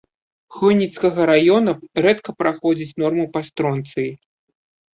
Хойніцкага раёна рэдка праходзіць норму па стронцыі.